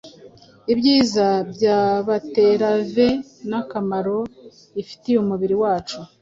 ibyiza bya beterave n’akamaro ifitiye umubiri wacu